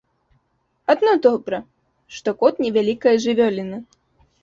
Адно добра, што кот невялікая жывёліна.